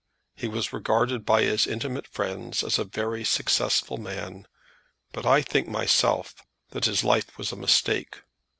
He was regarded by his intimate friends as a very successful man; but I think myself that his life was a mistake.